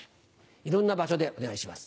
いろんな場所でお願いします。